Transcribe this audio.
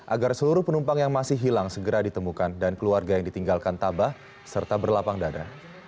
agar seluruh penumpang yang masih hilang segera ditemukan dan keluarga yang ditinggalkan tabah serta berlapang dada